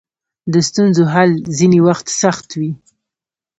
د ستونزو حل ځینې وخت سخت وي.